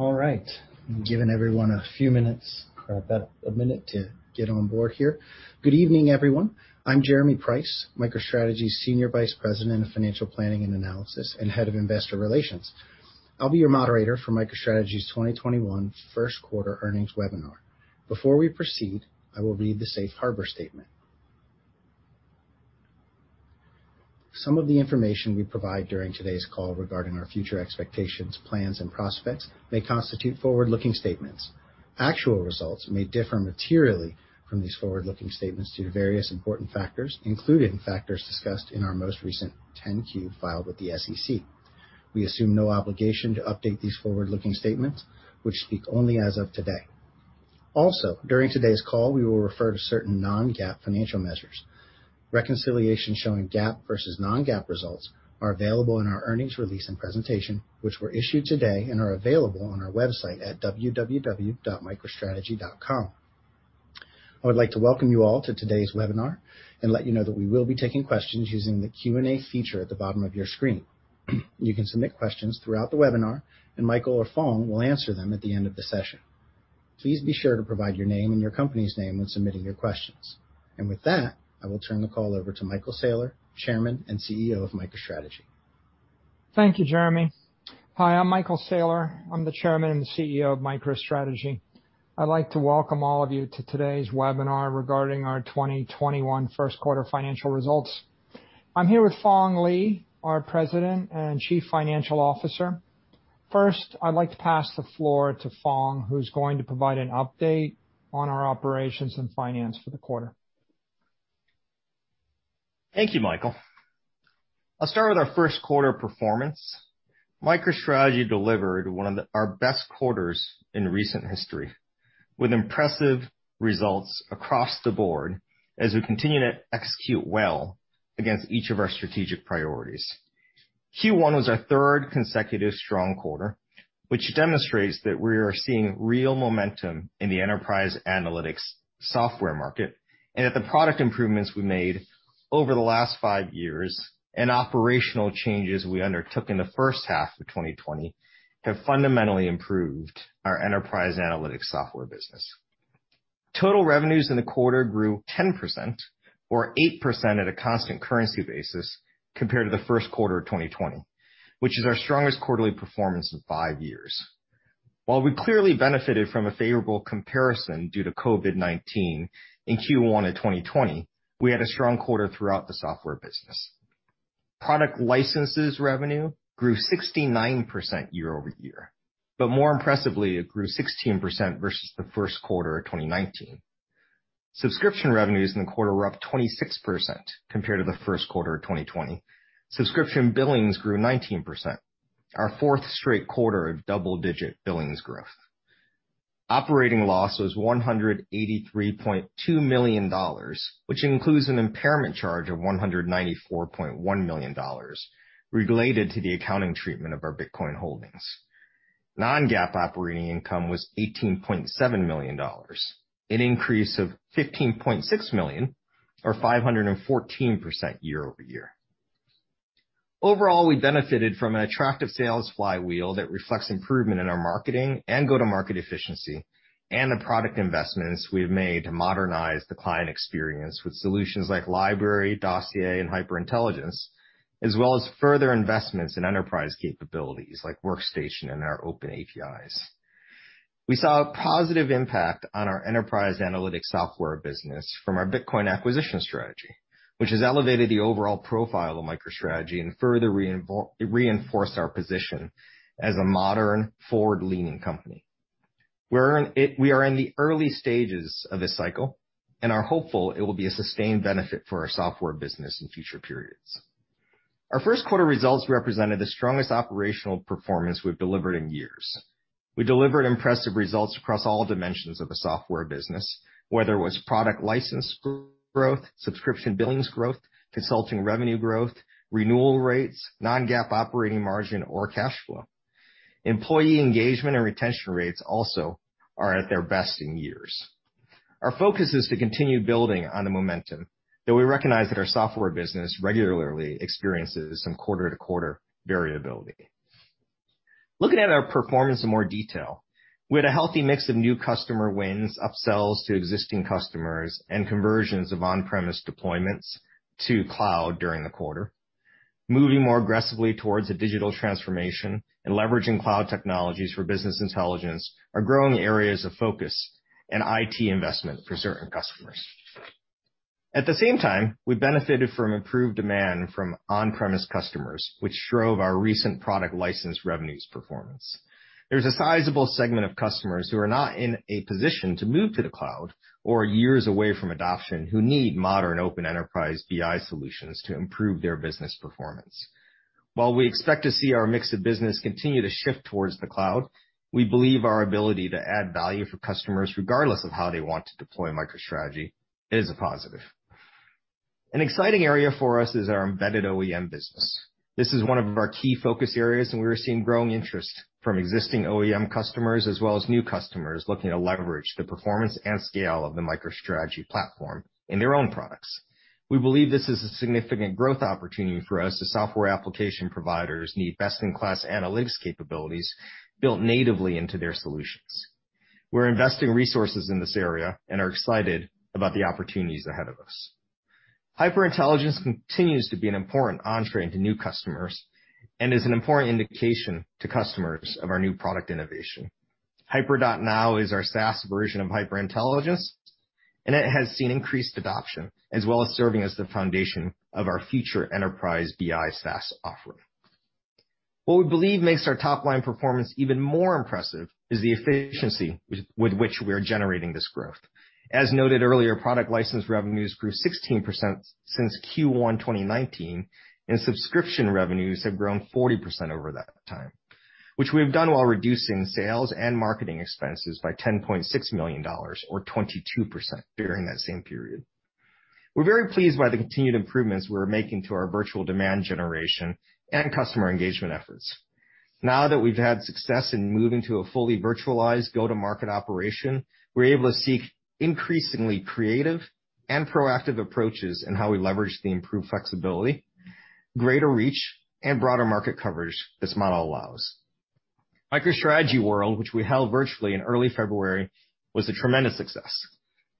All right. I'm giving everyone a few minutes, about a minute, to get on board here. Good evening, everyone. I'm Jeremy Price, MicroStrategy's senior vice president of financial planning and analysis and head of investor relations. I'll be your moderator for MicroStrategy's 2021 first quarter earnings webinar. Before we proceed, I will read the safe harbor statement. Some of the information we provide during today's call regarding our future expectations, plans, and prospects may constitute forward-looking statements. Actual results may differ materially from these forward-looking statements due to various important factors, including factors discussed in our most recent 10-Q filed with the SEC. We assume no obligation to update these forward-looking statements, which speak only as of today. During today's call, we will refer to certain non-GAAP financial measures. Reconciliation showing GAAP versus non-GAAP results are available in our earnings release and presentation, which were issued today and are available on our website at www.microstrategy.com. I would like to welcome you all to today's webinar and let you know that we will be taking questions using the Q&A feature at the bottom of your screen. You can submit questions throughout the webinar, and Michael or Phong Le will answer them at the end of the session. Please be sure to provide your name and your company's name when submitting your questions. With that, I will turn the call over to Michael Saylor, Chairman and CEO of MicroStrategy. Thank you, Jeremy. Hi, I'm Michael Saylor. I'm the Chairman and CEO of MicroStrategy. I'd like to welcome all of you to today's webinar regarding our 2021 first quarter financial results. I'm here with Phong Le, our President and Chief Financial Officer. First, I'd like to pass the floor to Phong, who's going to provide an update on our operations and finance for the quarter. Thank you, Michael. I'll start with our first quarter performance. MicroStrategy delivered one of our best quarters in recent history, with impressive results across the board as we continue to execute well against each of our strategic priorities. Q1 was our third consecutive strong quarter, which demonstrates that we are seeing real momentum in the enterprise analytics software market, and that the product improvements we made over the last five years and operational changes we undertook in the first half of 2020 have fundamentally improved our enterprise analytics software business. Total revenues in the quarter grew 10%, or 8% at a constant currency basis, compared to the first quarter of 2020, which is our strongest quarterly performance in five years. While we clearly benefited from a favorable comparison due to COVID-19 in Q1 of 2020, we had a strong quarter throughout the software business. Product licenses revenue grew 69% year-over-year. More impressively, it grew 16% versus the first quarter of 2019. Subscription revenues in the quarter were up 26% compared to the first quarter of 2020. Subscription billings grew 19%, our fourth straight quarter of double-digit billings growth. Operating loss was $183.2 million, which includes an impairment charge of $194.1 million related to the accounting treatment of our Bitcoin holdings. Non-GAAP operating income was $18.7 million, an increase of $15.6 million, or 514% year-over-year. Overall, we benefited from an attractive sales flywheel that reflects improvement in our marketing and go-to-market efficiency and the product investments we've made to modernize the client experience with solutions like Library, Dossier, and HyperIntelligence, as well as further investments in enterprise capabilities like Workstation and our open APIs. We saw a positive impact on our enterprise analytics software business from our Bitcoin acquisition strategy, which has elevated the overall profile of MicroStrategy and further reinforced our position as a modern, forward-leaning company. We are in the early stages of this cycle and are hopeful it will be a sustained benefit for our software business in future periods. Our first quarter results represented the strongest operational performance we've delivered in years. We delivered impressive results across all dimensions of the software business, whether it was product license growth, subscription billings growth, consulting revenue growth, renewal rates, non-GAAP operating margin, or cash flow. Employee engagement and retention rates also are at their best in years. Our focus is to continue building on the momentum, though we recognize that our software business regularly experiences some quarter-to-quarter variability. Looking at our performance in more detail, we had a healthy mix of new customer wins, upsells to existing customers, and conversions of on-premise deployments to cloud during the quarter. Moving more aggressively towards a digital transformation and leveraging cloud technologies for business intelligence are growing areas of focus and IT investment for certain customers. At the same time, we benefited from improved demand from on-premise customers, which drove our recent product license revenues performance. There's a sizable segment of customers who are not in a position to move to the cloud or are years away from adoption who need modern open enterprise BI solutions to improve their business performance. While we expect to see our mix of business continue to shift towards the cloud, we believe our ability to add value for customers regardless of how they want to deploy MicroStrategy is a positive. An exciting area for us is our embedded OEM business. This is one of our key focus areas, and we are seeing growing interest from existing OEM customers as well as new customers looking to leverage the performance and scale of the MicroStrategy platform in their own products. We believe this is a significant growth opportunity for us as software application providers need best-in-class analytics capabilities built natively into their solutions. We're investing resources in this area and are excited about the opportunities ahead of us. HyperIntelligence continues to be an important entree into new customers and is an important indication to customers of our new product innovation. HyperNow is our SaaS version of HyperIntelligence, and it has seen increased adoption as well as serving as the foundation of our future enterprise BI SaaS offering. What we believe makes our top-line performance even more impressive is the efficiency with which we are generating this growth. As noted earlier, product license revenues grew 16% since Q1 2019, and subscription revenues have grown 40% over that time, which we have done while reducing sales and marketing expenses by $10.6 million, or 22%, during that same period. We're very pleased by the continued improvements we're making to our virtual demand generation and customer engagement efforts. Now that we've had success in moving to a fully virtualized go-to-market operation, we're able to seek increasingly creative and proactive approaches in how we leverage the improved flexibility, greater reach, and broader market coverage this model allows. MicroStrategy World, which we held virtually in early February, was a tremendous success.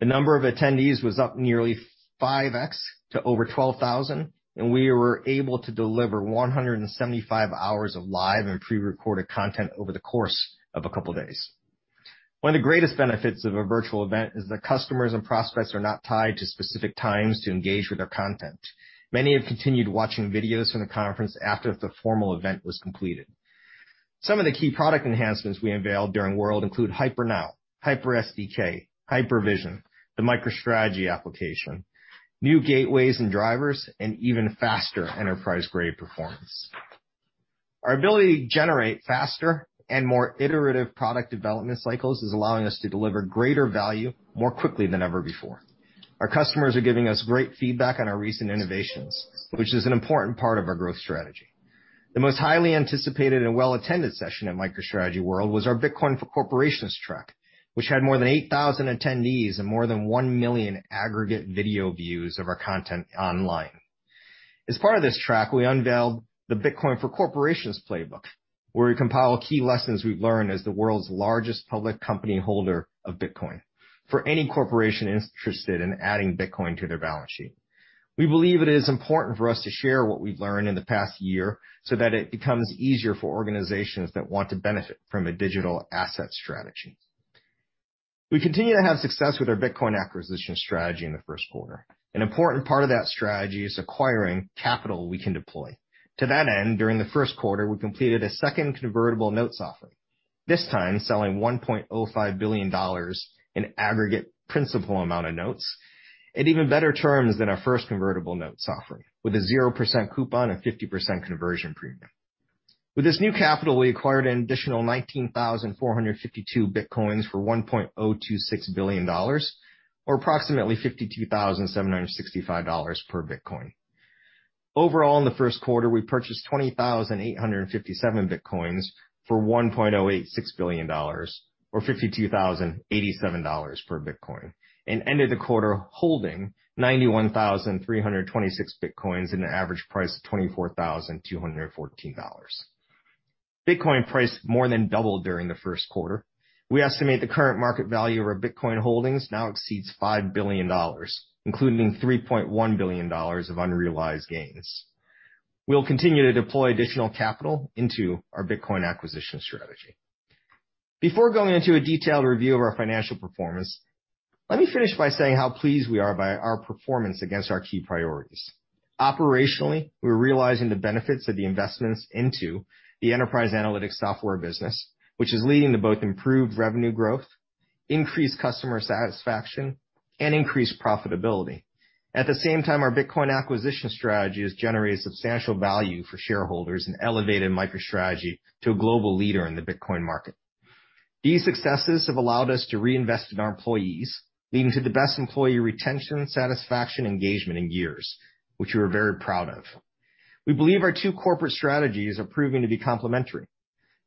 The number of attendees was up nearly 5x to over 12,000, and we were able to deliver 175 hours of live and prerecorded content over the course of a couple of days. One of the greatest benefits of a virtual event is that customers and prospects are not tied to specific times to engage with our content. Many have continued watching videos from the conference after the formal event was completed. Some of the key product enhancements we unveiled during World include HyperNow, HyperSDK, HyperVision, the MicroStrategy application, new gateways and drivers, and even faster enterprise-grade performance. Our ability to generate faster and more iterative product development cycles is allowing us to deliver greater value more quickly than ever before. Our customers are giving us great feedback on our recent innovations, which is an important part of our growth strategy. The most highly anticipated and well-attended session at MicroStrategy World was our Bitcoin for Corporations track, which had more than 8,000 attendees and more than 1 million aggregate video views of our content online. As part of this track, we unveiled the Bitcoin for Corporations Playbook, where we compile key lessons we've learned as the world's largest public company holder of Bitcoin for any corporation interested in adding Bitcoin to their balance sheet. We believe it is important for us to share what we've learned in the past year so that it becomes easier for organizations that want to benefit from a digital asset strategy. We continue to have success with our Bitcoin acquisition strategy in the first quarter. Important part of that strategy is acquiring capital we can deploy. To that end, during the first quarter, we completed a second convertible notes offering, this time selling $1.05 billion in aggregate principal amount of notes at even better terms than our first convertible notes offering, with a 0% coupon and 50% conversion premium. With this new capital, we acquired an additional 19,452 Bitcoins for $1.026 billion, or approximately $52,765 per Bitcoin. Overall, in the first quarter, we purchased 20,857 Bitcoins for $1.086 billion, or $52,087 per Bitcoin, and ended the quarter holding 91,326 Bitcoins at an average price of $24,214. Bitcoin price more than doubled during the first quarter. We estimate the current market value of our Bitcoin holdings now exceeds $5 billion, including $3.1 billion of unrealized gains. We'll continue to deploy additional capital into our Bitcoin acquisition strategy. Before going into a detailed review of our financial performance, let me finish by saying how pleased we are by our performance against our key priorities. Operationally, we're realizing the benefits of the investments into the enterprise analytics software business, which is leading to both improved revenue growth, increased customer satisfaction, and increased profitability. At the same time, our Bitcoin acquisition strategy has generated substantial value for shareholders and elevated MicroStrategy to a global leader in the Bitcoin market. These successes have allowed us to reinvest in our employees, leading to the best employee retention, satisfaction, engagement in years, which we are very proud of. We believe our two corporate strategies are proving to be complementary.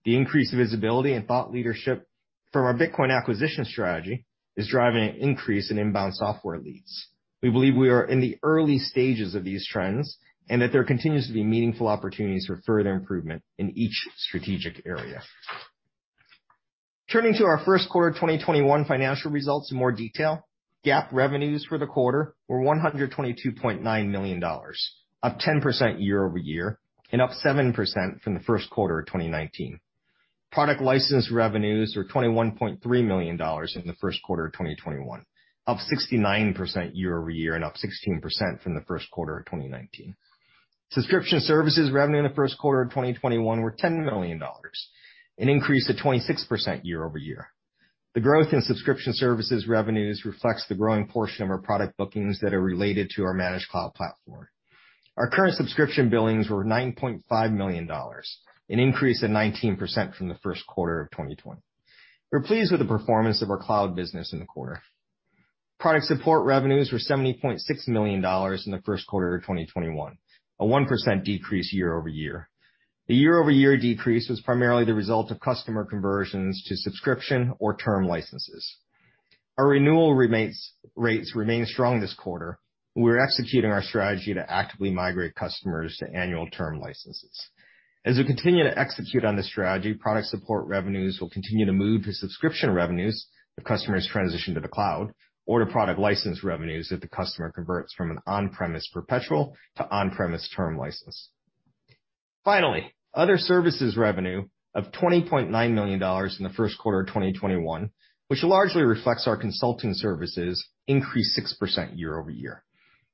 The increased visibility and thought leadership from our Bitcoin acquisition strategy is driving an increase in inbound software leads. We believe we are in the early stages of these trends, that there continues to be meaningful opportunities for further improvement in each strategic area. Turning to our first quarter 2021 financial results in more detail, GAAP revenues for the quarter were $122.9 million, up 10% year-over-year and up 7% from the first quarter of 2019. Product license revenues were $21.3 million in the first quarter of 2021, up 69% year-over-year and up 16% from the first quarter of 2019. Subscription services revenue in the first quarter of 2021 were $10 million, an increase of 26% year-over-year. The growth in subscription services revenues reflects the growing portion of our product bookings that are related to our managed cloud platform. Our current subscription billings were $9.5 million, an increase of 19% from the first quarter of 2020. We're pleased with the performance of our cloud business in the quarter. Product support revenues were $70.6 million in the first quarter of 2021, a 1% decrease year-over-year. The year-over-year decrease was primarily the result of customer conversions to subscription or term licenses. Our renewal rates remain strong this quarter. We're executing our strategy to actively migrate customers to annual term licenses. As we continue to execute on this strategy, product support revenues will continue to move to subscription revenues if customers transition to the cloud, or to product license revenues if the customer converts from an on-premise perpetual to on-premise term license. Finally, other services revenue of $20.9 million in the first quarter of 2021, which largely reflects our consulting services, increased 6% year-over-year.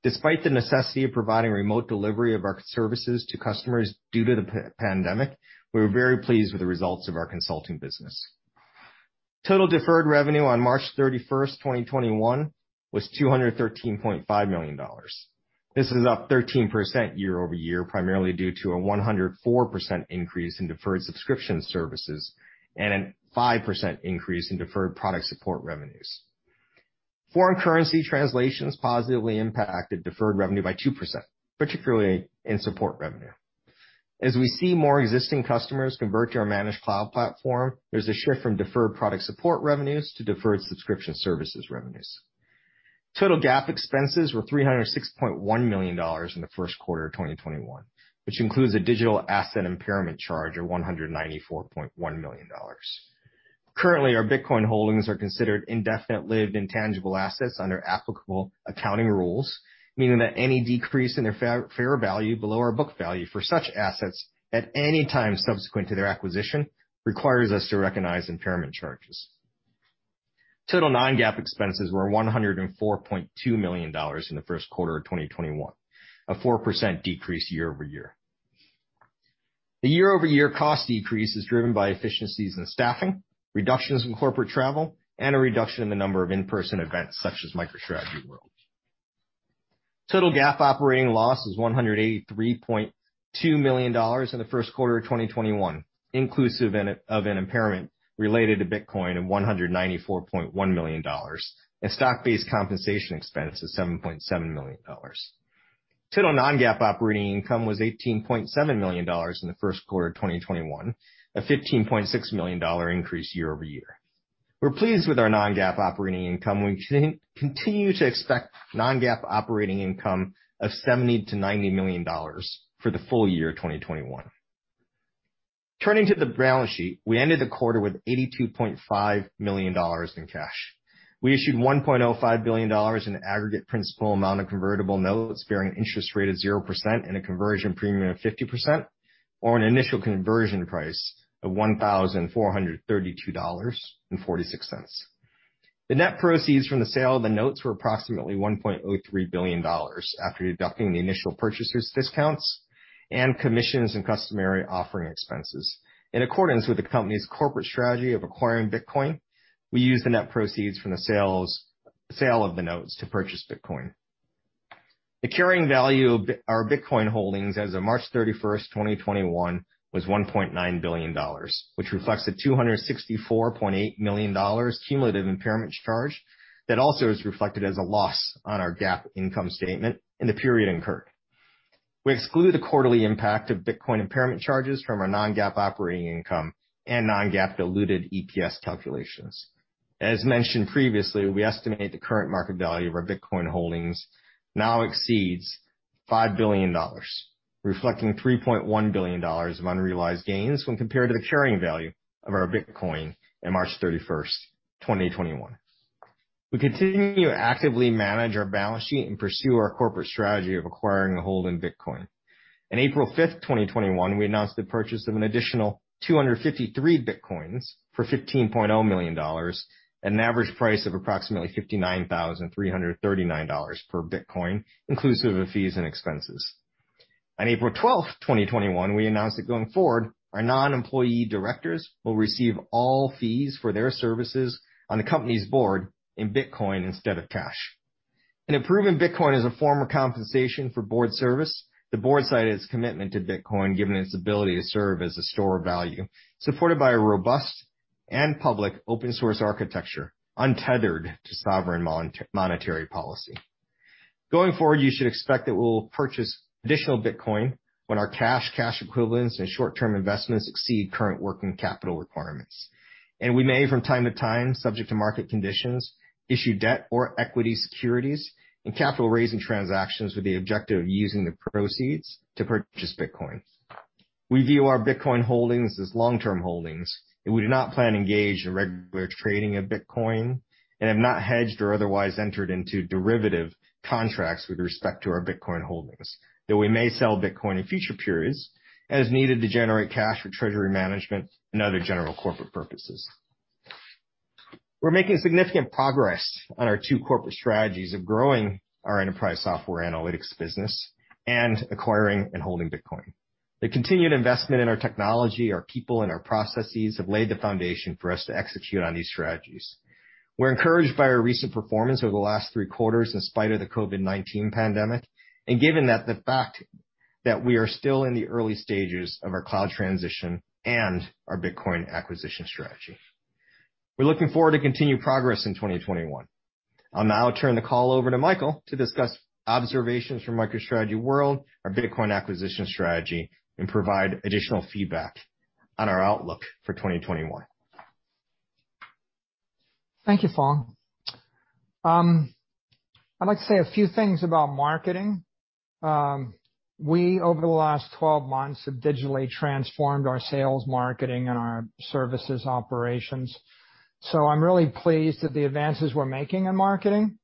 Despite the necessity of providing remote delivery of our services to customers due to the pandemic, we were very pleased with the results of our consulting business. Total deferred revenue on March 31st, 2021, was $213.5 million. This is up 13% year-over-year, primarily due to a 104% increase in deferred subscription services, and a 5% increase in deferred product support revenues. Foreign currency translations positively impacted deferred revenue by 2%, particularly in support revenue. As we see more existing customers convert to our managed cloud platform, there's a shift from deferred product support revenues to deferred subscription services revenues. Total GAAP expenses were $306.1 million in the first quarter of 2021, which includes a digital asset impairment charge of $194.1 million. Currently, our Bitcoin holdings are considered indefinite-lived intangible assets under applicable accounting rules, meaning that any decrease in their fair value below our book value for such assets at any time subsequent to their acquisition requires us to recognize impairment charges. Total non-GAAP expenses were $104.2 million in the first quarter of 2021, a 4% decrease year-over-year. The year-over-year cost decrease is driven by efficiencies in staffing, reductions in corporate travel, and a reduction in the number of in-person events such as MicroStrategy World. Total GAAP operating loss was $183.2 million in the first quarter of 2021, inclusive of an impairment related to Bitcoin of $194.1 million, and stock-based compensation expense of $7.7 million. Total non-GAAP operating income was $18.7 million in the first quarter of 2021, a $15.6 million increase year-over-year. We're pleased with our non-GAAP operating income. We continue to expect non-GAAP operating income of $70 million-$90 million for the full year 2021. Turning to the balance sheet, we ended the quarter with $82.5 million in cash. We issued $1.05 billion in aggregate principal amount of convertible notes bearing an interest rate of 0% and a conversion premium of 50%, or an initial conversion price of $1,432.46. The net proceeds from the sale of the notes were approximately $1.03 billion after deducting the initial purchasers' discounts and commissions and customary offering expenses. In accordance with the company's corporate strategy of acquiring Bitcoin, we used the net proceeds from the sale of the notes to purchase Bitcoin. The carrying value of our Bitcoin holdings as of March 31st, 2021, was $1.9 billion, which reflects the $264.8 million cumulative impairment charge that also is reflected as a loss on our GAAP income statement in the period incurred. We exclude the quarterly impact of Bitcoin impairment charges from our non-GAAP operating income and non-GAAP diluted EPS calculations. As mentioned previously, we estimate the current market value of our Bitcoin holdings now exceeds $5 billion, reflecting $3.1 billion of unrealized gains when compared to the carrying value of our Bitcoin in March 31st, 2021. We continue to actively manage our balance sheet and pursue our corporate strategy of acquiring and holding Bitcoin. On April 5th, 2021, we announced the purchase of an additional 253 Bitcoins for $15.0 million, at an average price of approximately $59,339 per Bitcoin, inclusive of fees and expenses. On April 12th, 2021, we announced that going forward, our non-employee directors will receive all fees for their services on the company's board in Bitcoin instead of cash. In approving Bitcoin as a form of compensation for board service, the board cited its commitment to Bitcoin, given its ability to serve as a store of value, supported by a robust and public open-source architecture, untethered to sovereign monetary policy. Going forward, you should expect that we'll purchase additional Bitcoin when our cash equivalents, and short-term investments exceed current working capital requirements. We may, from time to time, subject to market conditions, issue debt or equity securities in capital-raising transactions with the objective of using the proceeds to purchase Bitcoin. We view our Bitcoin holdings as long-term holdings, and we do not plan to engage in regular trading of Bitcoin and have not hedged or otherwise entered into derivative contracts with respect to our Bitcoin holdings, though we may sell Bitcoin in future periods as needed to generate cash for treasury management and other general corporate purposes. We're making significant progress on our two corporate strategies of growing our enterprise software analytics business and acquiring and holding Bitcoin. The continued investment in our technology, our people, and our processes have laid the foundation for us to execute on these strategies. We're encouraged by our recent performance over the last three quarters in spite of the COVID-19 pandemic, and given that the fact that we are still in the early stages of our cloud transition and our Bitcoin acquisition strategy. We're looking forward to continued progress in 2021. I'll now turn the call over to Michael to discuss observations from MicroStrategy World, our Bitcoin acquisition strategy, and provide additional feedback on our outlook for 2021. Thank you, Phong. I'd like to say a few things about marketing. We, over the last 12 months, have digitally transformed our sales, marketing, and our services operations. I'm really pleased at the advances we're making in marketing.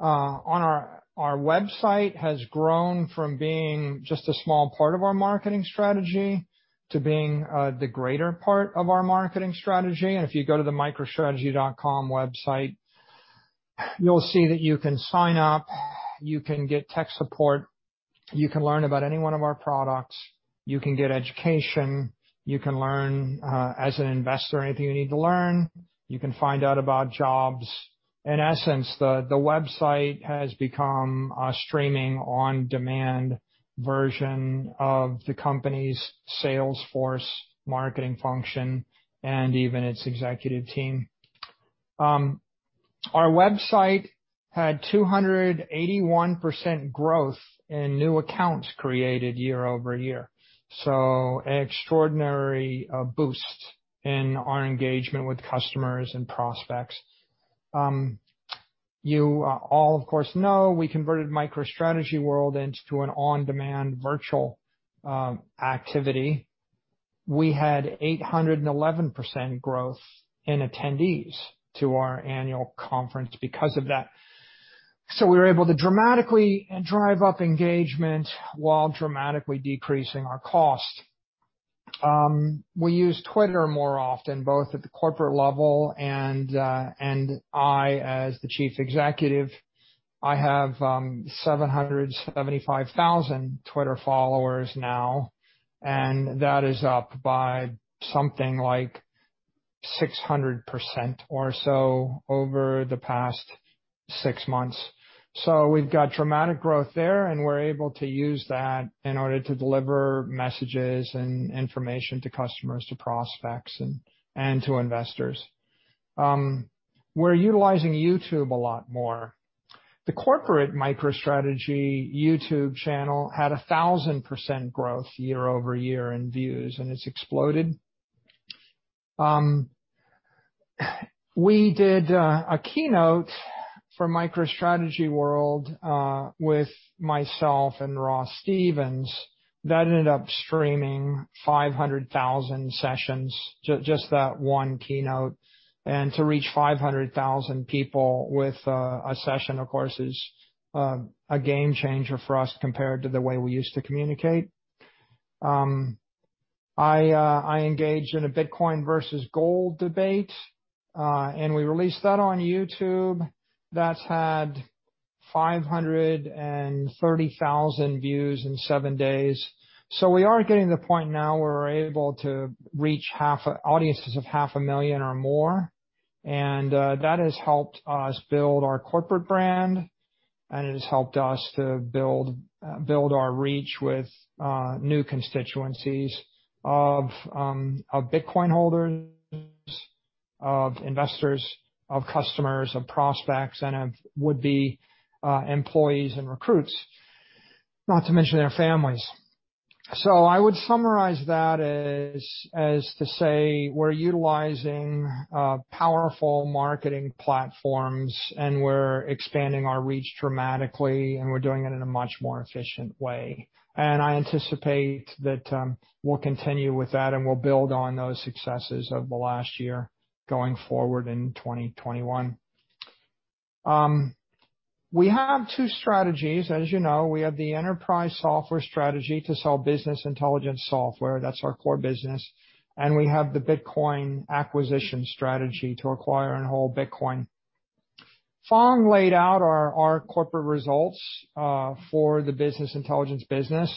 Our website has grown from being just a small part of our marketing strategy to being the greater part of our marketing strategy. If you go to the microstrategy.com website, you'll see that you can sign up, you can get tech support, you can learn about any one of our products, you can get education, you can learn, as an investor, anything you need to learn. You can find out about jobs. In essence, the website has become a streaming on-demand version of the company's sales force marketing function and even its executive team. Our website had 281% growth in new accounts created year-over-year, so an extraordinary boost in our engagement with customers and prospects. You all, of course, know we converted MicroStrategy World into an on-demand virtual activity. We had 811% growth in attendees to our annual conference because of that. We were able to dramatically drive up engagement while dramatically decreasing our cost. We use Twitter more often, both at the corporate level and I as the chief executive. I have 775,000 Twitter followers now, and that is up by something like 600% or so over the past six months. We've got dramatic growth there, and we're able to use that in order to deliver messages and information to customers, to prospects, and to investors. We're utilizing YouTube a lot more. The corporate MicroStrategy YouTube channel had 1,000% growth year-over-year in views, and it's exploded. We did a keynote for MicroStrategy World, with myself and Ross Stevens, that ended up streaming 500,000 sessions, just that one keynote. To reach 500,000 people with a session, of course, is a game changer for us compared to the way we used to communicate. I engaged in a Bitcoin versus gold debate, and we released that on YouTube. That's had 530,000 views in seven days. We are getting to the point now where we're able to reach audiences of half a million or more, and that has helped us build our corporate brand, and it has helped us to build our reach with new constituencies of Bitcoin holders, of investors, of customers, of prospects, and of would-be employees and recruits, not to mention their families. I would summarize that as to say we're utilizing powerful marketing platforms and we're expanding our reach dramatically and we're doing it in a much more efficient way. I anticipate that we'll continue with that and we'll build on those successes of the last year going forward in 2021. We have two strategies. As you know, we have the enterprise software strategy to sell business intelligence software. That's our core business. We have the Bitcoin acquisition strategy to acquire and hold Bitcoin. Phong laid out our corporate results, for the business intelligence business.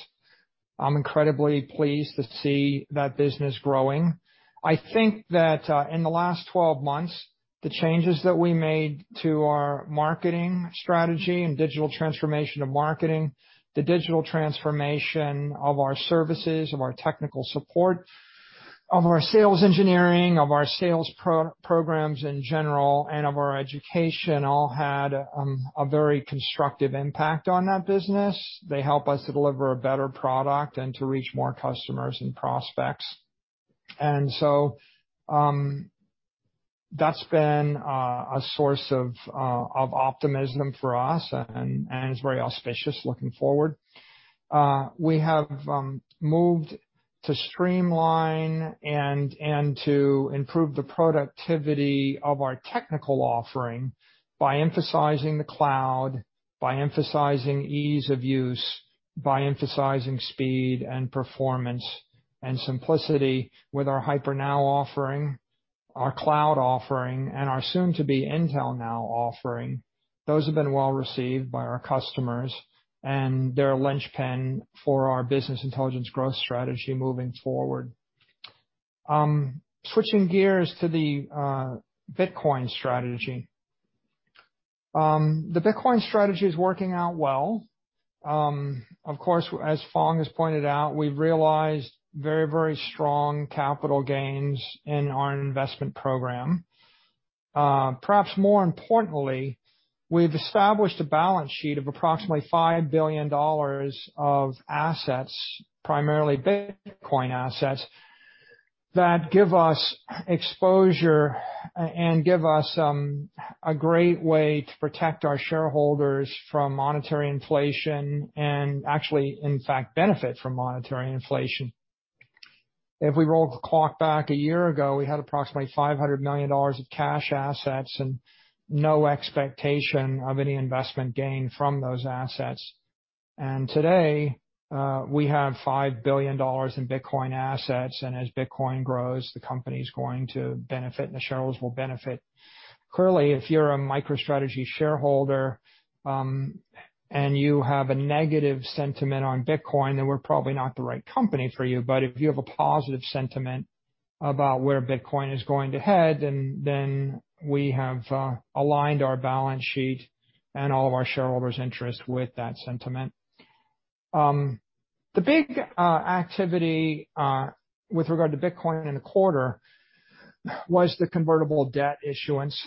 I'm incredibly pleased to see that business growing. I think that in the last 12 months, the changes that we made to our marketing strategy and digital transformation of marketing, the digital transformation of our services, of our technical support, of our sales engineering, of our sales programs in general, and of our education all had a very constructive impact on that business. They help us to deliver a better product and to reach more customers and prospects. That's been a source of optimism for us and is very auspicious looking forward. We have moved to streamline and to improve the productivity of our technical offering by emphasizing the cloud, by emphasizing ease of use, by emphasizing speed and performance and simplicity with our HyperNow offering, our cloud offering, and our soon-to-be Intelligence Now offering. Those have been well received by our customers, and they're a linchpin for our business intelligence growth strategy moving forward. Switching gears to the Bitcoin strategy. The Bitcoin strategy is working out well. Of course, as Phong has pointed out, we've realized very, very strong capital gains in our investment program. Perhaps more importantly, we've established a balance sheet of approximately $5 billion of assets, primarily Bitcoin assets, that give us exposure and give us a great way to protect our shareholders from monetary inflation and actually, in fact, benefit from monetary inflation. If we roll the clock back a year ago, we had approximately $500 million of cash assets and no expectation of any investment gain from those assets. Today, we have $5 billion in Bitcoin assets, and as Bitcoin grows, the company's going to benefit, and the shareholders will benefit. Clearly, if you're a MicroStrategy shareholder and you have a negative sentiment on Bitcoin, then we're probably not the right company for you. If you have a positive sentiment about where Bitcoin is going to head, then we have aligned our balance sheet and all of our shareholders' interest with that sentiment. The big activity with regard to Bitcoin in the quarter was the convertible debt issuance,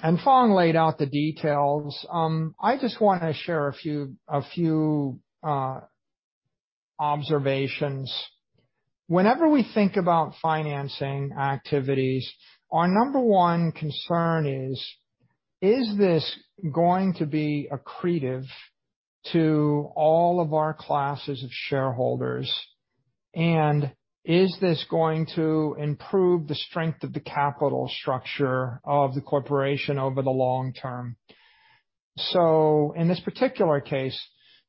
and Phong laid out the details. I just want to share a few observations. Whenever we think about financing activities, our number one concern is: Is this going to be accretive to all of our classes of shareholders? Is this going to improve the strength of the capital structure of the corporation over the long term? In this particular case,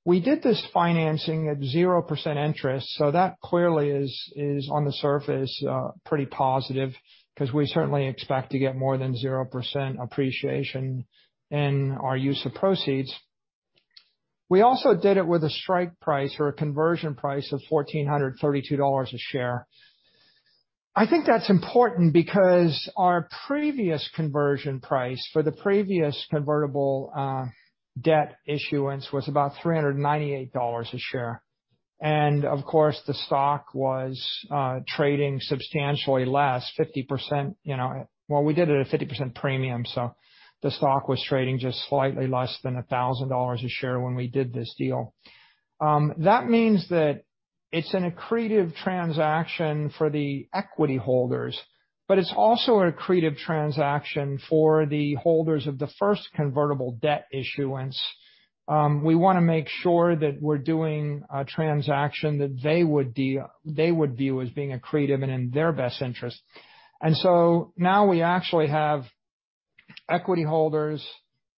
we did this financing at 0% interest. That clearly is on the surface pretty positive because we certainly expect to get more than 0% appreciation in our use of proceeds. We also did it with a strike price or a conversion price of $1,432 a share. I think that's important because our previous conversion price for the previous convertible debt issuance was about $398 a share. Of course, the stock was trading substantially less. Well, we did it at a 50% premium, so the stock was trading just slightly less than $1,000 a share when we did this deal. That means that it's an accretive transaction for the equity holders, but it's also an accretive transaction for the holders of the first convertible debt issuance. We want to make sure that we're doing a transaction that they would view as being accretive and in their best interest. So now we actually have equity holders.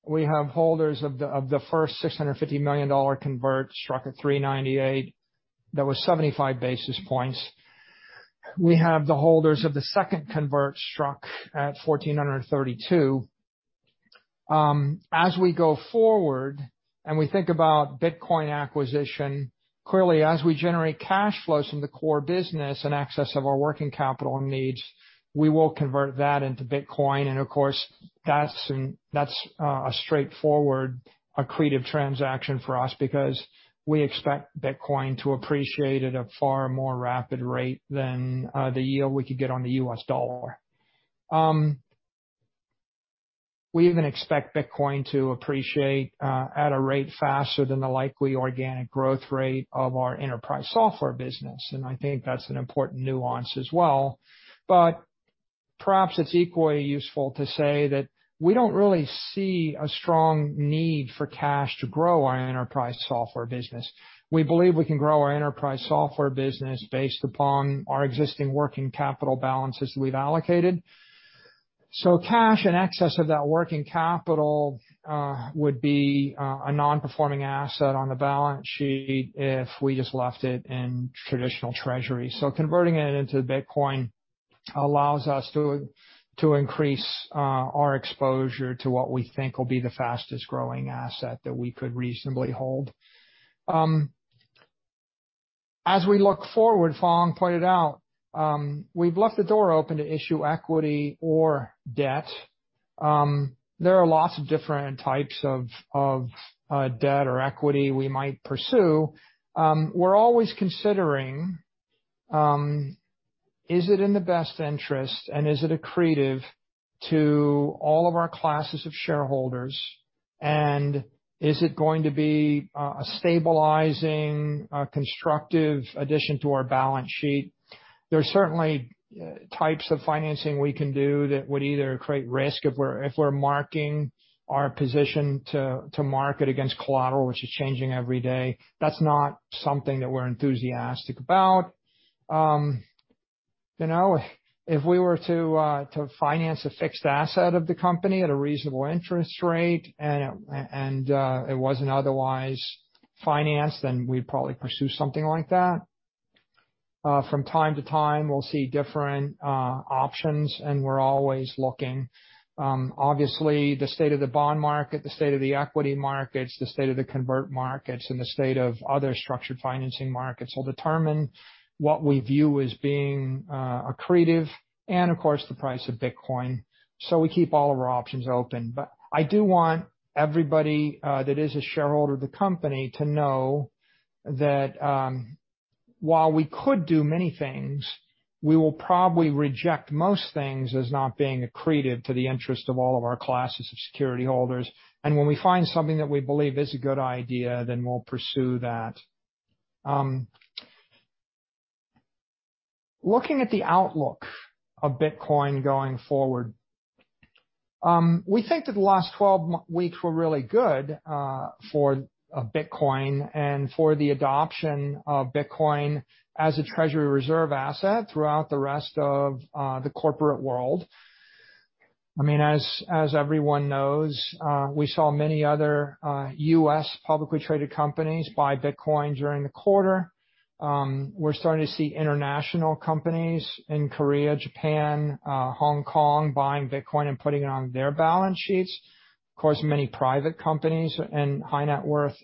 We have holders of the first $650 million convert struck at $398. That was 75 basis points. We have the holders of the second convert struck at $1,432. As we go forward and we think about Bitcoin acquisition, clearly, as we generate cash flows from the core business in excess of our working capital needs, we will convert that into Bitcoin. Of course, that's a straightforward accretive transaction for us because we expect Bitcoin to appreciate at a far more rapid rate than the yield we could get on the U.S. dollar. We even expect Bitcoin to appreciate at a rate faster than the likely organic growth rate of our enterprise software business, and I think that's an important nuance as well. Perhaps it's equally useful to say that we don't really see a strong need for cash to grow our enterprise software business. We believe we can grow our enterprise software business based upon our existing working capital balances we've allocated. Cash in excess of that working capital would be a non-performing asset on the balance sheet if we just left it in traditional treasury. Converting it into Bitcoin allows us to increase our exposure to what we think will be the fastest growing asset that we could reasonably hold. As we look forward, Phong pointed out, we've left the door open to issue equity or debt. There are lots of different types of debt or equity we might pursue. We're always considering, is it in the best interest and is it accretive to all of our classes of shareholders? Is it going to be a stabilizing, constructive addition to our balance sheet? There are certainly types of financing we can do that would either create risk if we're marking our position to market against collateral, which is changing every day. That's not something that we're enthusiastic about. If we were to finance a fixed asset of the company at a reasonable interest rate and it wasn't otherwise financed, we'd probably pursue something like that. From time to time, we'll see different options and we're always looking. Obviously, the state of the bond market, the state of the equity markets, the state of the convert markets, and the state of other structured financing markets will determine what we view as being accretive and of course, the price of Bitcoin. We keep all of our options open. I do want everybody that is a shareholder of the company to know that while we could do many things, we will probably reject most things as not being accretive to the interest of all of our classes of security holders. When we find something that we believe is a good idea, we'll pursue that. Looking at the outlook of Bitcoin going forward, we think that the last 12 weeks were really good for Bitcoin and for the adoption of Bitcoin as a treasury reserve asset throughout the rest of the corporate world. As everyone knows, we saw many other U.S. publicly traded companies buy Bitcoin during the quarter. We're starting to see international companies in Korea, Japan, Hong Kong buying Bitcoin and putting it on their balance sheets. Of course, many private companies and high net worth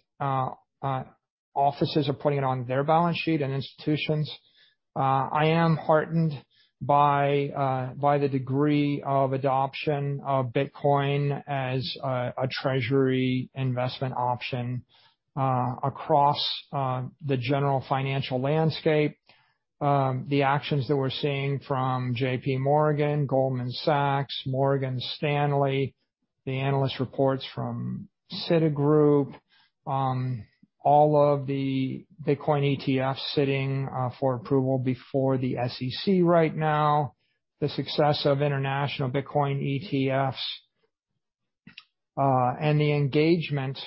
offices are putting it on their balance sheet, and institutions. I am heartened by the degree of adoption of Bitcoin as a treasury investment option across the general financial landscape. The actions that we're seeing from JPMorgan, Goldman Sachs, Morgan Stanley, the analyst reports from Citigroup, all of the Bitcoin ETFs sitting for approval before the SEC right now, the success of international Bitcoin ETFs, and the engagement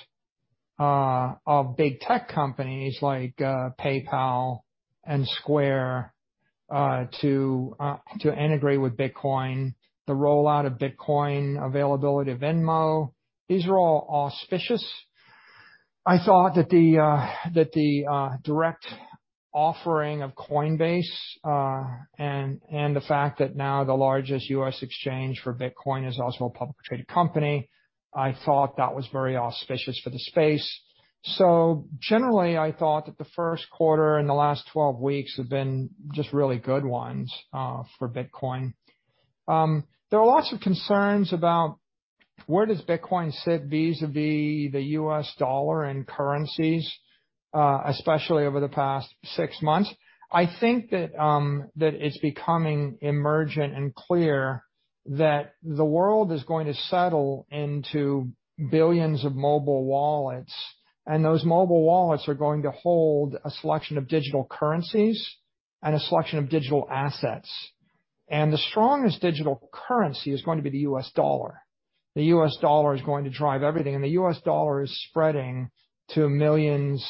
of big tech companies like PayPal and Square to integrate with Bitcoin, the rollout of Bitcoin availability of Venmo. These are all auspicious. I thought that the direct offering of Coinbase, and the fact that now the largest U.S. exchange for Bitcoin is also a public traded company, I thought that was very auspicious for the space. Generally, I thought that the first quarter and the last 12 weeks have been just really good ones for Bitcoin. There are lots of concerns about where does Bitcoin sit vis-a-vis the U.S. dollar and currencies, especially over the past six months. I think that it's becoming emergent and clear that the world is going to settle into billions of mobile wallets, and those mobile wallets are going to hold a selection of digital currencies and a selection of digital assets. The strongest digital currency is going to be the U.S. dollar. The U.S. dollar is going to drive everything, and the U.S. dollar is spreading to millions,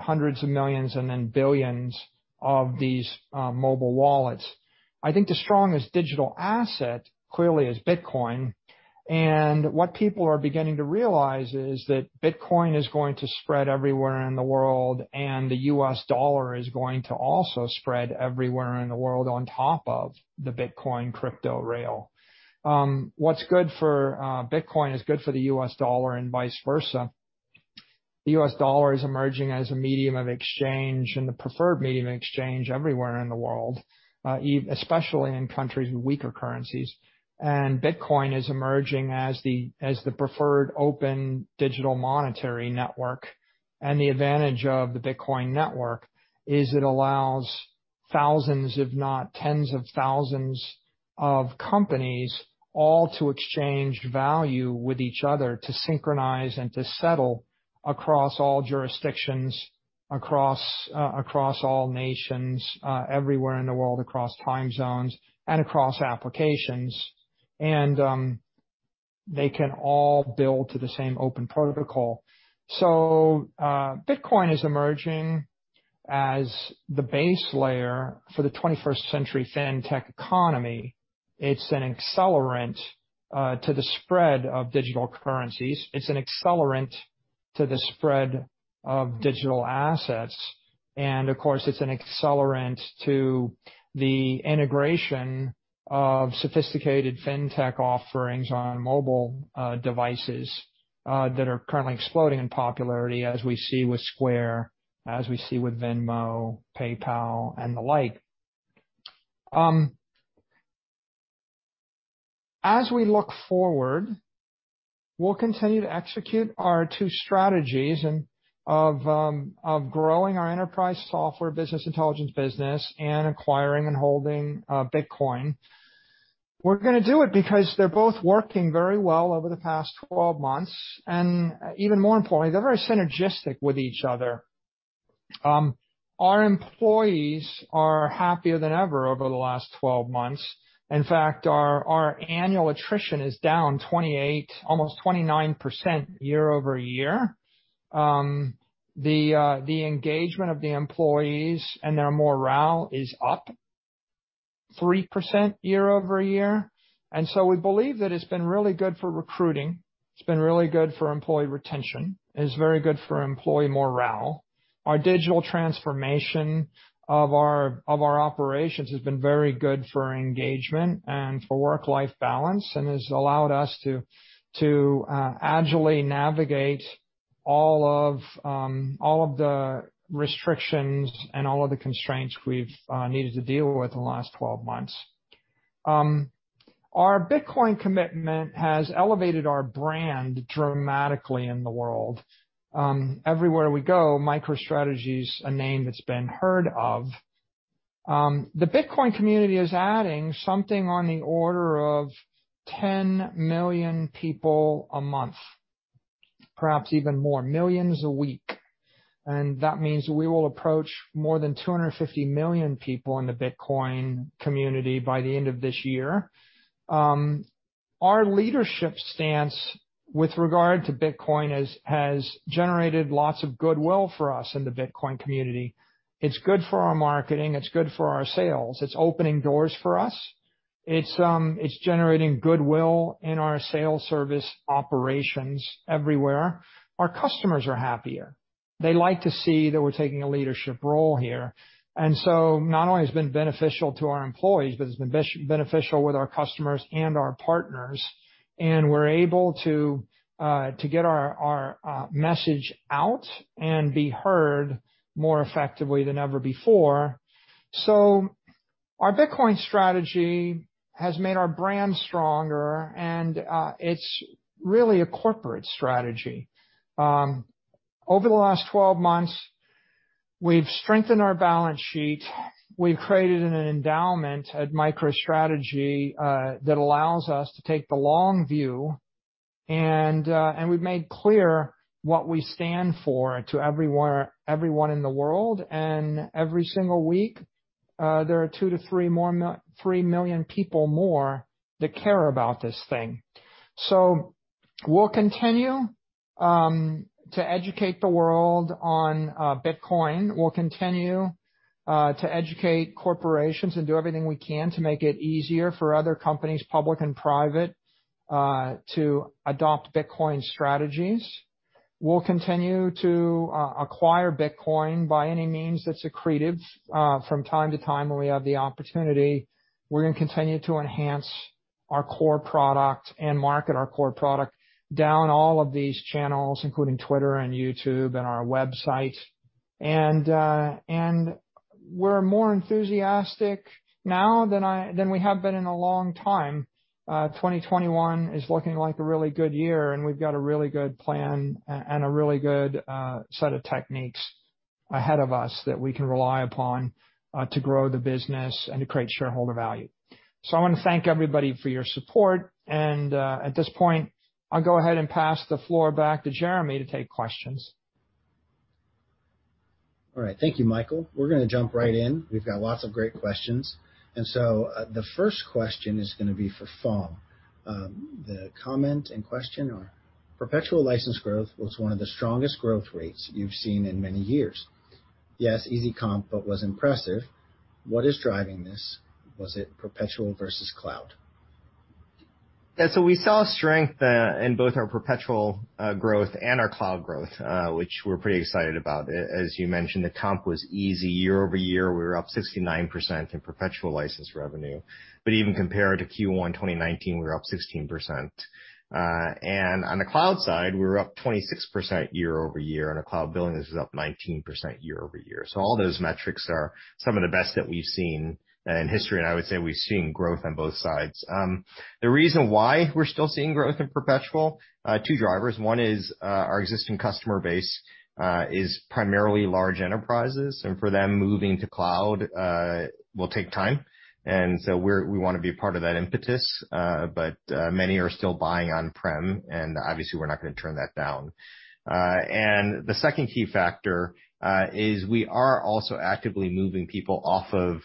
hundreds of millions, and then billions of these mobile wallets. I think the strongest digital asset clearly is Bitcoin, and what people are beginning to realize is that Bitcoin is going to spread everywhere in the world, and the U.S. dollar is going to also spread everywhere in the world on top of the Bitcoin crypto rail. What's good for Bitcoin is good for the U.S. dollar and vice versa. The U.S. dollar is emerging as a medium of exchange and the preferred medium of exchange everywhere in the world, especially in countries with weaker currencies. Bitcoin is emerging as the preferred open digital monetary network. The advantage of the Bitcoin network is it allows thousands, if not tens of thousands of companies all to exchange value with each other, to synchronize and to settle across all jurisdictions, across all nations, everywhere in the world, across time zones, and across applications. They can all build to the same open protocol. Bitcoin is emerging as the base layer for the 21st century fintech economy. It's an accelerant to the spread of digital currencies. It's an accelerant to the spread of digital assets. Of course, it's an accelerant to the integration of sophisticated fintech offerings on mobile devices that are currently exploding in popularity, as we see with Square, as we see with Venmo, PayPal, and the like. As we look forward, we'll continue to execute our two strategies of growing our enterprise software business intelligence business and acquiring and holding Bitcoin. We're going to do it because they're both working very well over the past 12 months, and even more importantly, they're very synergistic with each other. Our employees are happier than ever over the last 12 months. In fact, our annual attrition is down 28, almost 29% year-over-year. The engagement of the employees and their morale is up 3% year-over-year. We believe that it's been really good for recruiting, it's been really good for employee retention, and it's very good for employee morale. Our digital transformation of our operations has been very good for engagement and for work-life balance and has allowed us to agilely navigate all of the restrictions and all of the constraints we've needed to deal with in the last 12 months. Our Bitcoin commitment has elevated our brand dramatically in the world. Everywhere we go, MicroStrategy's a name that's been heard of. The Bitcoin community is adding something on the order of 10 million people a month, perhaps even more, millions a week. That means we will approach more than 250 million people in the Bitcoin community by the end of this year. Our leadership stance with regard to Bitcoin has generated lots of goodwill for us in the Bitcoin community. It's good for our marketing. It's good for our sales. It's opening doors for us. It's generating goodwill in our sales service operations everywhere. Our customers are happier. They like to see that we're taking a leadership role here. Not only has it been beneficial to our employees, but it's been beneficial with our customers and our partners, and we're able to get our message out and be heard more effectively than ever before. Our Bitcoin strategy has made our brand stronger and it's really a corporate strategy. Over the last 12 months, we've strengthened our balance sheet. We've created an endowment at MicroStrategy, that allows us to take the long view and we've made clear what we stand for to everyone in the world. Every single week, there are 2 million-3 million people more that care about this thing. We'll continue to educate the world on Bitcoin. We'll continue to educate corporations and do everything we can to make it easier for other companies, public and private, to adopt Bitcoin strategies. We'll continue to acquire Bitcoin by any means that's accretive from time to time when we have the opportunity. We're going to continue to enhance our core product and market our core product down all of these channels, including Twitter and YouTube and our website. We're more enthusiastic now than we have been in a long time. 2021 is looking like a really good year, and we've got a really good plan and a really good set of techniques ahead of us that we can rely upon to grow the business and to create shareholder value. I want to thank everybody for your support. At this point, I'll go ahead and pass the floor back to Jeremy to take questions. All right. Thank you, Michael. We're going to jump right in. We've got lots of great questions. The first question is going to be for Phong. The comment and question are: perpetual license growth was one of the strongest growth rates you've seen in many years. Yes, easy comp, was impressive. What is driving this? Was it perpetual versus cloud? Yeah. We saw strength in both our perpetual growth and our cloud growth, which we're pretty excited about. As you mentioned, the comp was easy year-over-year. We were up 69% in perpetual license revenue. Even compared to Q1 2019, we were up 16%. On the cloud side, we were up 26% year-over-year, and our cloud billing is up 19% year-over-year. All those metrics are some of the best that we've seen in history, and I would say we've seen growth on both sides. The reason why we're still seeing growth in perpetual, two drivers. One is our existing customer base is primarily large enterprises, and for them, moving to cloud will take time. We want to be part of that impetus. Many are still buying on-prem, and obviously, we're not going to turn that down. The second key factor is we are also actively moving people off of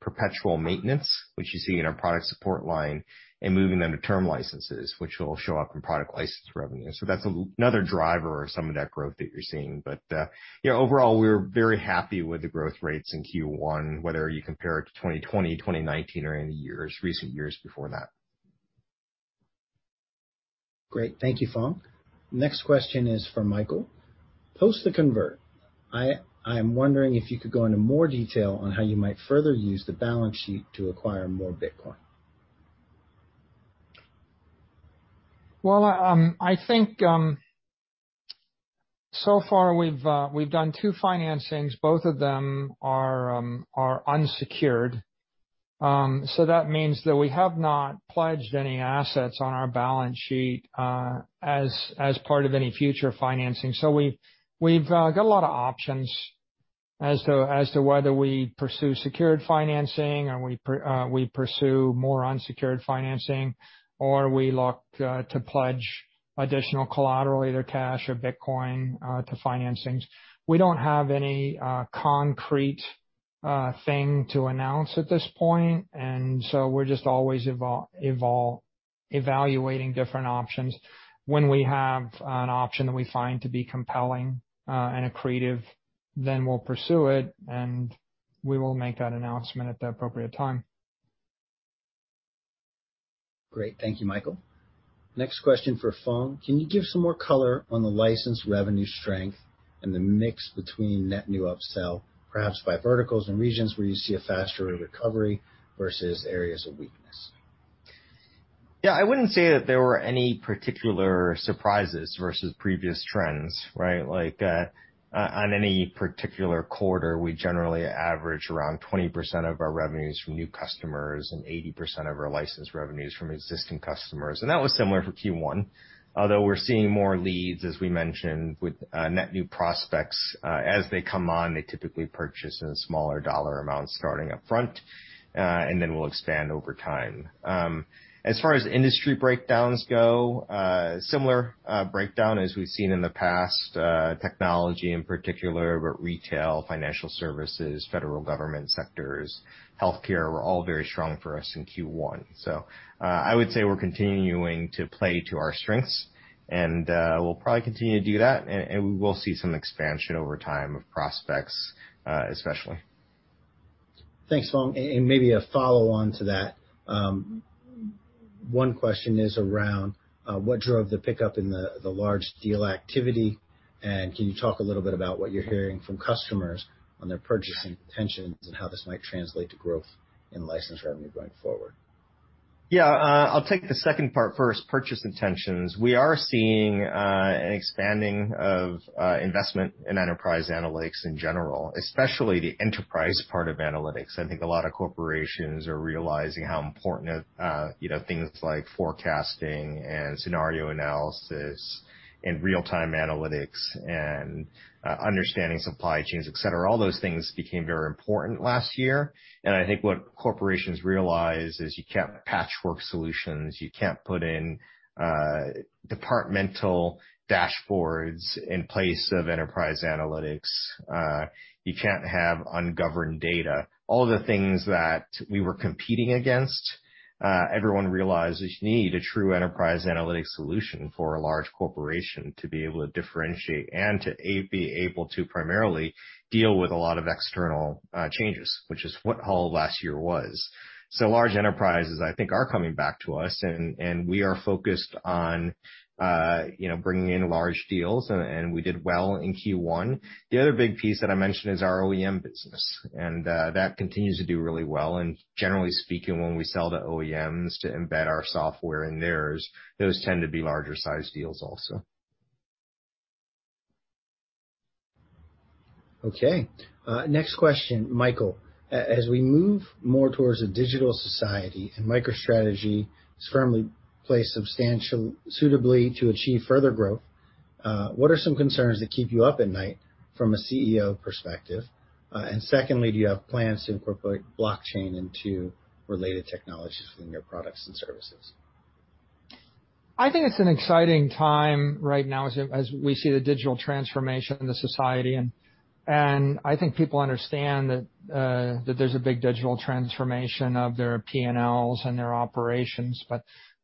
perpetual maintenance, which you see in our product support line, and moving them to term licenses, which will show up in product license revenue. That's another driver of some of that growth that you're seeing. Overall, we're very happy with the growth rates in Q1, whether you compare it to 2020, 2019 or any recent years before that. Great. Thank you, Phong. Next question is for Michael. Post the convert, I am wondering if you could go into more detail on how you might further use the balance sheet to acquire more Bitcoin. Well, I think so far we've done two financings. Both of them are unsecured. That means that we have not pledged any assets on our balance sheet as part of any future financing. We've got a lot of options as to whether we pursue secured financing or we pursue more unsecured financing, or we look to pledge additional collateral, either cash or Bitcoin, to financings. We don't have any concrete thing to announce at this point. We're just always evaluating different options. When we have an option that we find to be compelling, and accretive, then we'll pursue it, and we will make that announcement at the appropriate time. Great. Thank you, Michael. Next question for Phong. Can you give some more color on the license revenue strength and the mix between net new upsell, perhaps by verticals and regions where you see a faster rate of recovery versus areas of weakness? Yeah, I wouldn't say that there were any particular surprises versus previous trends, right? On any particular quarter, we generally average around 20% of our revenues from new customers and 80% of our licensed revenues from existing customers. That was similar for Q1, although we're seeing more leads, as we mentioned, with net new prospects. As they come on, they typically purchase in smaller dollar amounts starting up front, we'll expand over time. As far as industry breakdowns go, similar breakdown as we've seen in the past. Technology in particular, retail, financial services, federal government sectors, healthcare, were all very strong for us in Q1. I would say we're continuing to play to our strengths, we'll probably continue to do that, we will see some expansion over time of prospects, especially. Thanks, Phong. Maybe a follow-on to that. One question is around what drove the pickup in the large deal activity, and can you talk a little bit about what you're hearing from customers on their purchasing intentions and how this might translate to growth in license revenue going forward? Yeah. I'll take the second part first, purchase intentions. We are seeing an expanding of investment in enterprise analytics in general, especially the enterprise part of analytics. I think a lot of corporations are realizing how important things like forecasting and scenario analysis and real-time analytics and understanding supply chains, et cetera. All those things became very important last year. I think what corporations realize is you can't patchwork solutions. You can't put in departmental dashboards in place of enterprise analytics. You can't have ungoverned data. All the things that we were competing against, everyone realizes you need a true enterprise analytics solution for a large corporation to be able to differentiate and to be able to primarily deal with a lot of external changes, which is what all of last year was. Large enterprises, I think, are coming back to us, and we are focused on bringing in large deals, and we did well in Q1. The other big piece that I mentioned is our OEM business, and that continues to do really well. Generally speaking, when we sell to OEMs to embed our software in theirs, those tend to be larger-sized deals also. Okay. Next question. Michael, as we move more towards a digital society and MicroStrategy is firmly placed suitably to achieve further growth, what are some concerns that keep you up at night from a CEO perspective? Secondly, do you have plans to incorporate blockchain into related technologies in your products and services? I think it's an exciting time right now as we see the digital transformation in the society, and I think people understand that there's a big digital transformation of their P&Ls and their operations.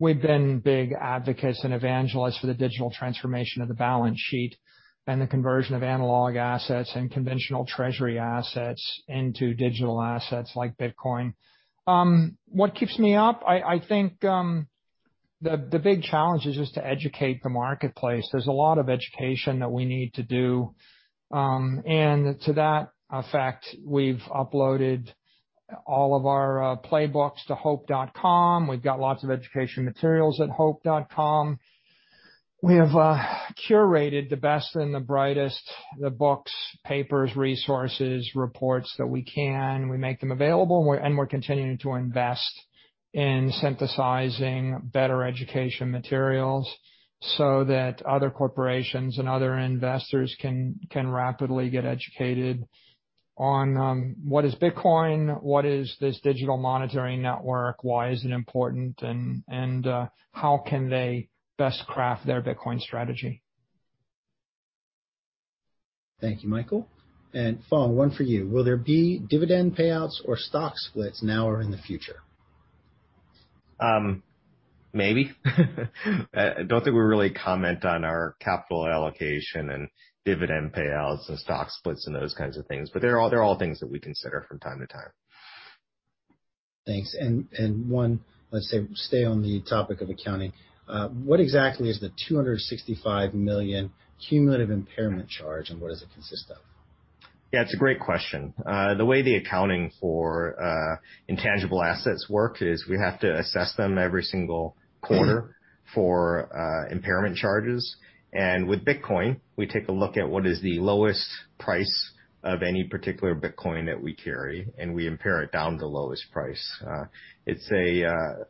We've been big advocates and evangelists for the digital transformation of the balance sheet and the conversion of analog assets and conventional treasury assets into digital assets like Bitcoin. What keeps me up? I think the big challenge is just to educate the marketplace. There's a lot of education that we need to do. To that effect, we've uploaded all of our playbooks to hope.com. We've got lots of education materials at hope.com. We have curated the best and the brightest, the books, papers, resources, reports that we can. We make them available, we're continuing to invest in synthesizing better education materials so that other corporations and other investors can rapidly get educated on what is Bitcoin, what is this digital monetary network, why is it important, and how can they best craft their Bitcoin strategy. Thank you, Michael. Phong, one for you. Will there be dividend payouts or stock splits now or in the future? Maybe. I don't think we really comment on our capital allocation and dividend payouts and stock splits and those kinds of things, but they're all things that we consider from time to time. Thanks. One, let's stay on the topic of accounting. What exactly is the $265 million cumulative impairment charge, and what does it consist of? Yeah, it's a great question. The way the accounting for intangible assets work is we have to assess them every single quarter for impairment charges. With Bitcoin, we take a look at what is the lowest price of any particular Bitcoin that we carry, and we impair it down to the lowest price. It's a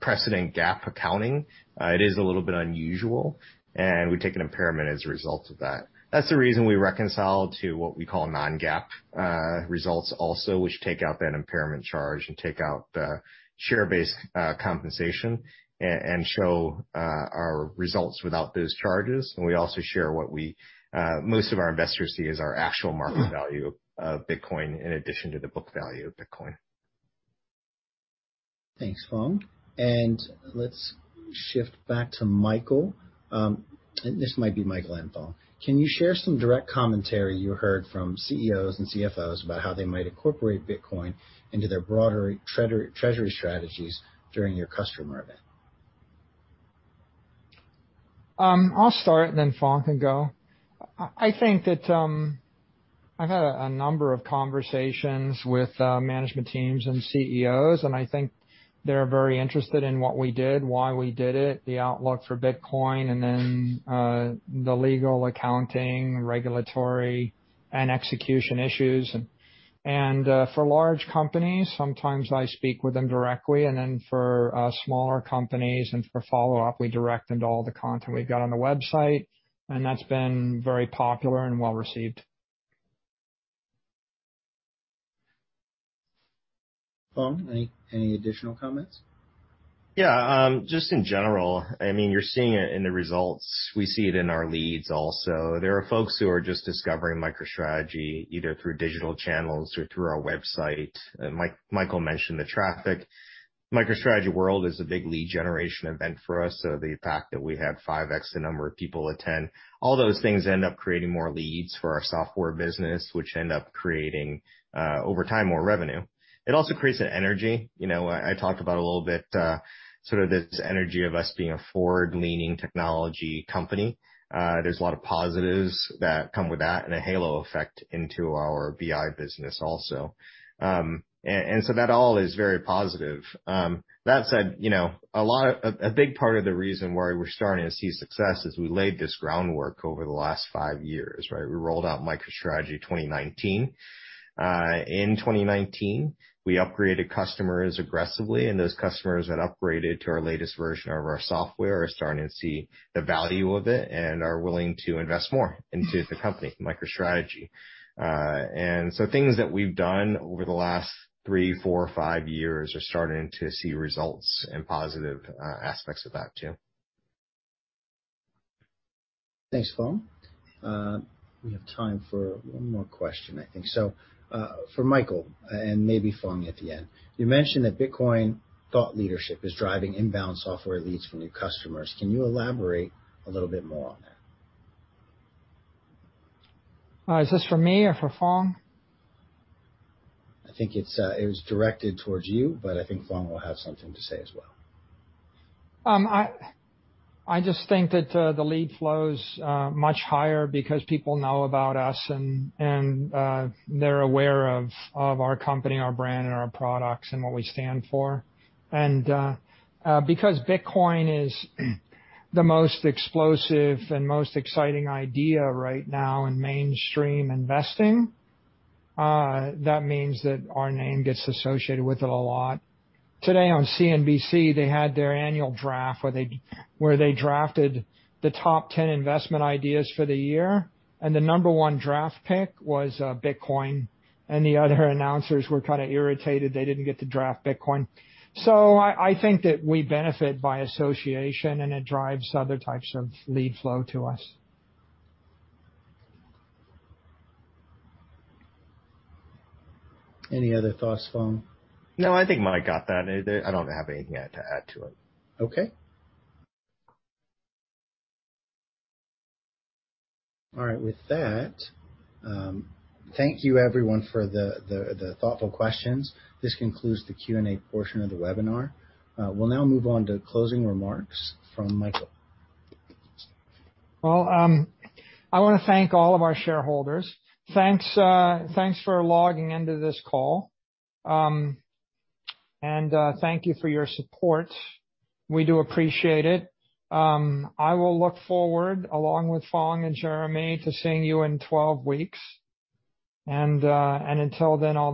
precedent GAAP accounting. It is a little bit unusual, we take an impairment as a result of that. That's the reason we reconcile to what we call non-GAAP results also, which take out that impairment charge and take out the share-based compensation and show our results without those charges. We also share what most of our investors see as our actual market value of Bitcoin, in addition to the book value of Bitcoin. Thanks, Phong. Let's shift back to Michael. This might be Michael and Phong. Can you share some direct commentary you heard from CEOs and CFOs about how they might incorporate Bitcoin into their broader treasury strategies during your customer event? I'll start, and then Phong can go. I've had a number of conversations with management teams and CEOs, and I think they're very interested in what we did, why we did it, the outlook for Bitcoin, and then the legal, accounting, regulatory, and execution issues. For large companies, sometimes I speak with them directly, and then for smaller companies and for follow-up, we direct them to all the content we've got on the website, and that's been very popular and well-received. Phong, any additional comments? Yeah. Just in general, you're seeing it in the results. We see it in our leads also. There are folks who are just discovering MicroStrategy, either through digital channels or through our website. Michael mentioned the traffic. MicroStrategy World is a big lead generation event for us. The fact that we had 5x the number of people attend, all those things end up creating more leads for our software business, which end up creating, over time, more revenue. It also creates an energy. I talked about a little bit this energy of us being a forward-leaning technology company. There's a lot of positives that come with that and a halo effect into our BI business also. That all is very positive. That said, a big part of the reason why we're starting to see success is we laid this groundwork over the last five years, right? We rolled out MicroStrategy 2019. In 2019, we upgraded customers aggressively, and those customers that upgraded to our latest version of our software are starting to see the value of it and are willing to invest more into the company, MicroStrategy. Things that we've done over the last three, four, or five years are starting to see results and positive aspects of that too. Thanks, Phong. We have time for one more question, I think. For Michael, and maybe Phong at the end. You mentioned that Bitcoin thought leadership is driving inbound software leads from new customers. Can you elaborate a little bit more on that? Is this for me or for Phong? I think it was directed towards you, but I think Phong will have something to say as well. I just think that the lead flow's much higher because people know about us, and they're aware of our company, our brand, and our products, and what we stand for. Because Bitcoin is the most explosive and most exciting idea right now in mainstream investing, that means that our name gets associated with it a lot. Today on CNBC, they had their annual draft where they drafted the top 10 investment ideas for the year, the number one draft pick was Bitcoin. The other announcers were kind of irritated they didn't get to draft Bitcoin. I think that we benefit by association, and it drives other types of lead flow to us. Any other thoughts, Phong? No, I think Mike got that. I don't have anything to add to it. Okay. All right. With that, thank you everyone for the thoughtful questions. This concludes the Q&A portion of the webinar. We'll now move on to closing remarks from Michael. Well, I want to thank all of our shareholders. Thanks for logging into this call. Thank you for your support. We do appreciate it. I will look forward, along with Phong and Jeremy, to seeing you in 12 weeks. Until then, all the best